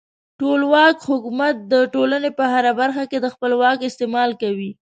ټولواک حکومت د ټولنې په هره برخه کې د خپل واک استعمال کوي.